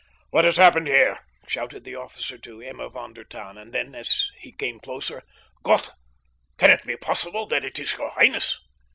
"What has happened here?" shouted the officer to Emma von der Tann; and then, as he came closer: "Gott! Can it be possible that it is your highness?"